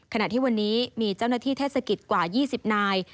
ขณะที่วันนี้มีเจ้าหน้าที่เทศกิจกว่า๒๐นาย